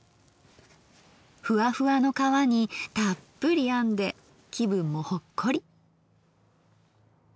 ふわふわの皮にたっぷりあんで気分もほっこり。